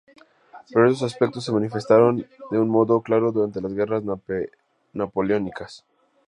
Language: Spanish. Pero estos aspectos se manifestaron de un modo claro durante las guerras napoleónicas.